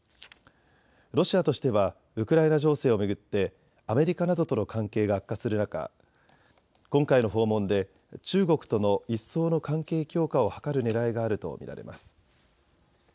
ロシアとしてはウクライナ情勢を巡ってアメリカなどとの関係が悪化する中、今回の訪問で中国との一層の関係強化を図るねらいがあると見られます。